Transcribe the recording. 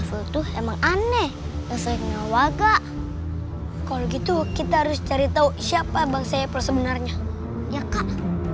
kalau gitu kita harus cari tahu siapa bangsa ya sebenarnya ya kak